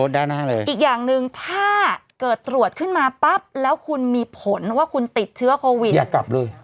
ด้านหน้าเลยอีกอย่างหนึ่งถ้าเกิดตรวจขึ้นมาปั๊บแล้วคุณมีผลว่าคุณติดเชื้อโควิดอย่ากลับเลย